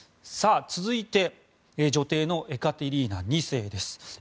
続いて女帝のエカテリーナ２世です。